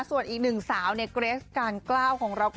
ส่วนอีก๑สาวมีเกรทกาลกล้าวของเรา